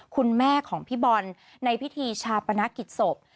คุณแม่ของพี่บอลในพิธีชาปนกิจศพ